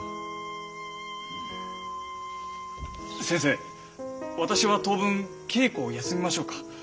先生私は当分稽古を休みましょうか？